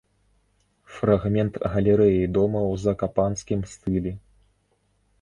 Фрагмент галерэі дома ў закапанскім стылі.